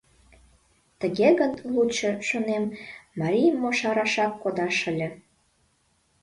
Тыге гын, лучо, шонем, Марий Мошарашак кодаш ыле.